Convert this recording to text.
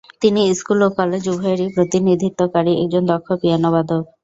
তিনি স্কুল ও কলেজ উভয়েরই প্রতিনিধিত্বকারী একজন দক্ষ পিয়ানোবাদক।